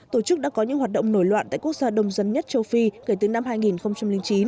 tổ chức đã có những hoạt động nổi loạn tại quốc gia đông dân nhất châu phi kể từ năm hai nghìn chín